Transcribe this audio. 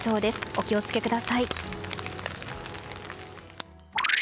お気を付けください。